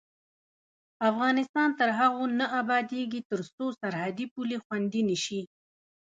افغانستان تر هغو نه ابادیږي، ترڅو سرحدي پولې خوندي نشي.